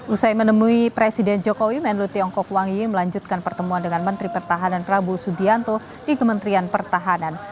usai menemui presiden jokowi menlu tiongkok wangi melanjutkan pertemuan dengan menteri pertahanan prabowo subianto di kementerian pertahanan